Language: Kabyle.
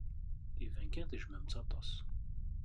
Iban kan tejjmemt-tt aṭas.